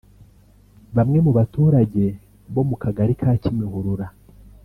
Bamwe mu baturage bo mu Kagari ka Kimihurura